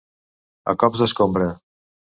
A cops d'escombra.